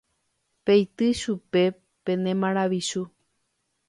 Peity chupe pene maravichu.